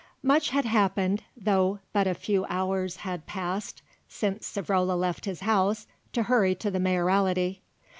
Much had happened, though but a few hours had passed since Savrola left his house to hurry to the Mayoralty.